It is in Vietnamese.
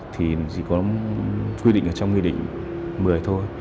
thì chỉ có quy định ở trong nghị định một mươi thôi